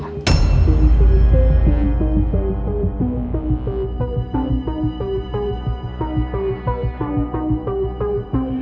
randy ada urusan apa dengan pak nino